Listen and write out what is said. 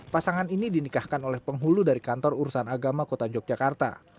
pasangan ini dinikahkan oleh penghulu dari kantor urusan agama kota yogyakarta